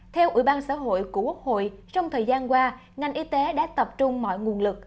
theo ủy ban xã hội của quốc hội trong thời gian qua ngành y tế đã tập trung mọi nguồn lực